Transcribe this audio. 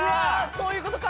そういうことか。